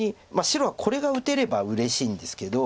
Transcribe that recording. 白はこれが打てればうれしいんですけど。